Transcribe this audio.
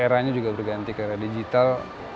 eranya juga berganti ke era digital